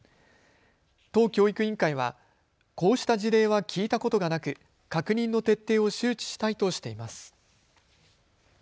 都教育委員会はこうした事例は聞いたことがなく、確認の徹底を周知したいとしています。